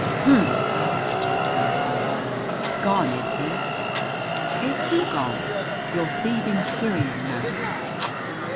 "Humph!" said the gentleman from below. "Gone is he?" "Is who gone?" "Your thieving Syrian, madam!"